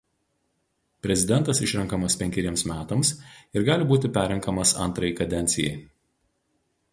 Prezidentas išrenkamas penkeriems metams ir gali būti perrenkamas antrajai kadencijai.